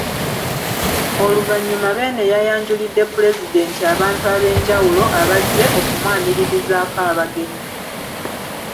Oluvannyuma Beene yayanjulidde Pulezidenti abantu ab’enjawulo abazze okumwaniririzaako abagenyi.